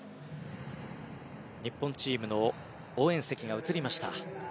日本チームの応援席が映りました。